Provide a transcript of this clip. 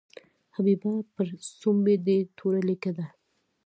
حبیبه پر سومبۍ دې توره لیکه ده.